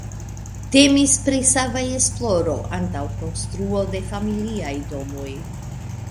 Temis pri sava esploro antaŭ konstruo de familiaj domoj.